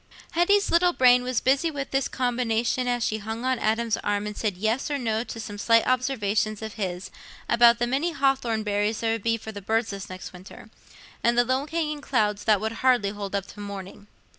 Hetty's little brain was busy with this combination as she hung on Adam's arm and said "yes" or "no" to some slight observations of his about the many hawthorn berries there would be for the birds this next winter, and the low hanging clouds that would hardly hold up till morning.